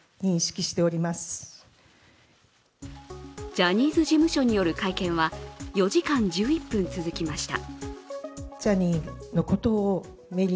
ジャニーズ事務所による会見は、４時間１１分続きました。